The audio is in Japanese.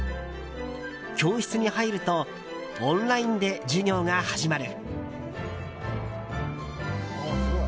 教室に入るとオンラインで授業が始まる。